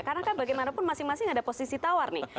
karena kan bagaimanapun masing masing ada posisi tawar nih